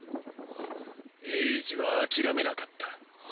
エイジは諦めなかった。